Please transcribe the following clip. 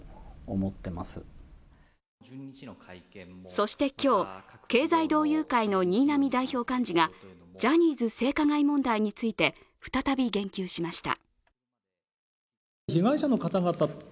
そして今日、経済同友会の新浪代表幹事がジャニーズ性加害問題について再び言及しました。